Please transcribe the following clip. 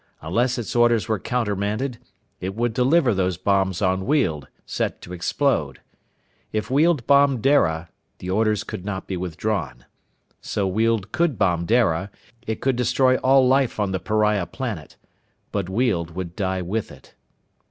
Unless its orders were countermanded, it would deliver those bombs on Weald, set to explode. If Weald bombed Dara, the orders could not be withdrawn. So Weald could bomb Dara. It could destroy all life on the pariah planet. But Weald would die with it.